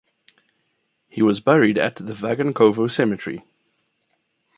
He was buried at the Vagankovo Cemetery.